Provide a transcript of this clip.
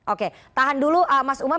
oke tahan dulu mas umam